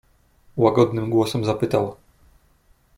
"Łagodnym głosem zapytał."